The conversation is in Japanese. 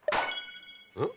うん？